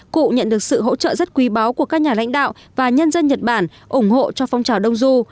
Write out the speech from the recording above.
cụ nhận được sự hỗ trợ rất quý báu của các nhà lãnh đạo và nhân dân nhật bản ủng hộ cho phong trào đông du